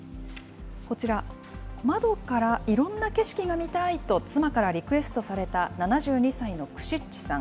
こちら、窓からいろんな景色が見たいと、妻からリクエストされた、７２歳のクシッチさん。